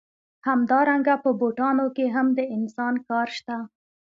همدارنګه په بوټانو کې هم د انسان کار شته